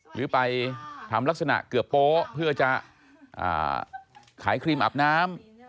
หรือไปทำลักษณะเกือบโป๊ะเพื่อจะขายครีมอาบน้ำ